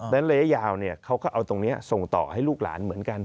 และระยะยาวเขาก็เอาตรงนี้ส่งต่อให้ลูกหลานเหมือนกัน